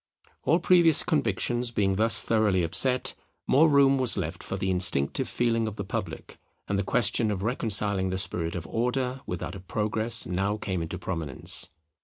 All previous convictions being thus thoroughly upset, more room was left for the instinctive feeling of the public; and the question of reconciling the spirit of Order with that of Progress now came into prominence.